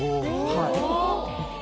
はい。